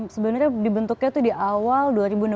sebenarnya dibentuknya itu di awal dua ribu enam belas